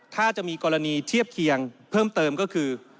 ถ้าจะมีกรณีเทียบเคียงเพิ่มเติมก็คือ